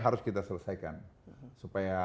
harus kita selesaikan supaya